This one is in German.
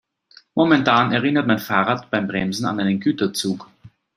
Momentan erinnert mein Fahrrad beim Bremsen an einen Güterzug.